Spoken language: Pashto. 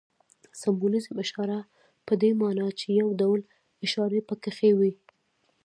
سمبولیزم په دې ماناچي یو ډول اشاره پکښې وي.